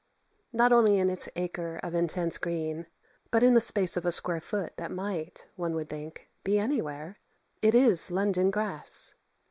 Not only in its acre of intense green, but in the space of a square foot that might, one would think, be anywhere, it is London grass.